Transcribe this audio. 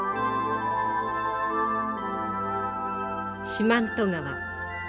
四万十川。